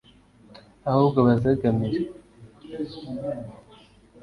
Ahubwo bazegamire